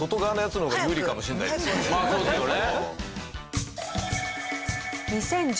まあそうですよね。